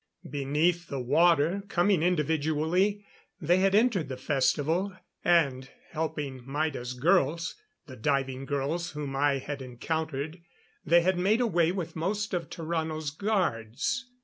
Beneath the water, coming individually, they had entered the festival; and helping Maida's girls (the diving girls whom I had encountered) they had made away with most of Tarrano's guards.